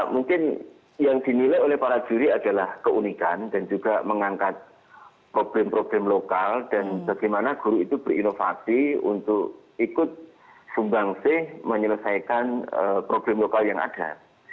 mungkin yang dinilai oleh para juri adalah keunikan dan juga mengangkat problem problem lokal dan bagaimana guru itu berinovasi untuk ikut sumbangsih menyelesaikan problem lokal yang ada